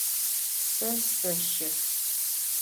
Se sêşe.